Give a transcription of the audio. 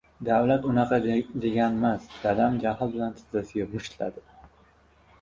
— Davlat unaqa deganmas! — dadam jahl bilan tizzasiga mushtladi.